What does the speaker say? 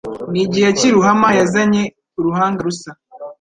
N' igihe cy' i Ruhama yazanye uruhanga rusa